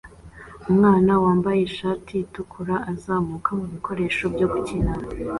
Umwana wambaye ishati itukura azamuka mubikoresho byo gukina